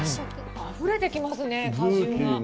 あふれてきますね、果汁が。